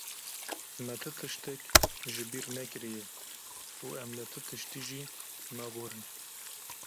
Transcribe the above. Me ti tiştek ji bîrnekiriye û em li ti tiştî jî naborin.